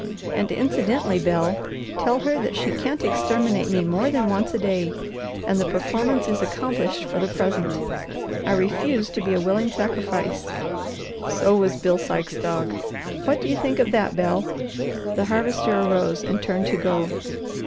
And incidentally, Bel, tell her that she can't exterminate me more than once a day, and the performance is accomplished for the present. I refuse to be a willing sacrifice. 'So was Bill Sikes' dog!' What do you think of that, Bel?" The Harvester arose and turned to go.